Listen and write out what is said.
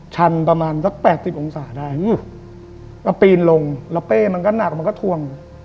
ชันประมาณสักแปดสิบองศาได้ก็ปีนลงแล้วเป้มันก็หนักมันก็ทวง